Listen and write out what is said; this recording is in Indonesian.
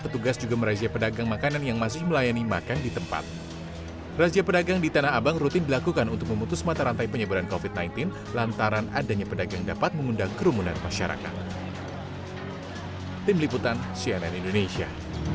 tim liputan cnn indonesia